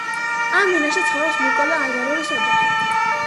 ამ ბინაში ცხოვრობს მიკოლა აზაროვის ოჯახი.